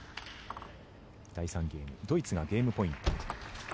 第３ゲームドイツがゲームポイント。